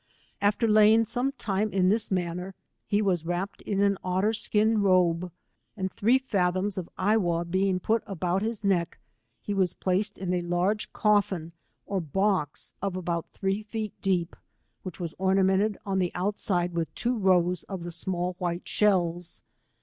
After laying some time in this manner, he was wrapped in an otter skin robe, and three fathoms of I whaw being put about his neck, he wa« placed in a large coffin or box of about three feet deep, which wag ornamented on the outside with two 137 row'8 of the small white shells.